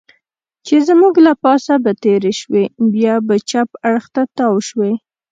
چې زموږ له پاسه به تېرې شوې، بیا به چپ اړخ ته تاو شوې.